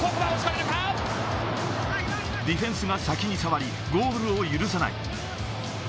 ディフェンスが先に触り、ゴールを許さない。